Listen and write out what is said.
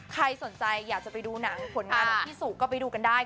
ใครสนใจอยากจะไปดูหนังผลงานของพี่สุก็ไปดูกันได้